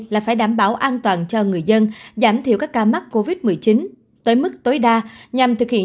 là phải đảm bảo an toàn cho người dân giảm thiểu các ca mắc covid một mươi chín tới mức tối đa nhằm thực hiện